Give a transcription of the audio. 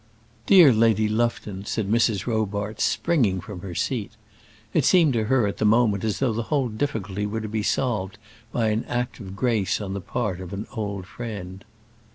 "Dear Lady Lufton," said Mrs. Robarts, springing from her seat. It seemed to her at the moment as though the whole difficulty were to be solved by an act of grace on the part of her old friend.